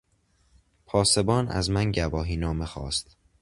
پاسبان از من گواهینامه خواست.